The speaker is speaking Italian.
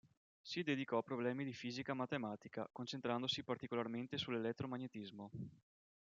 Si dedicò a problemi di fisica matematica, concentrandosi particolarmente sull'elettromagnetismo.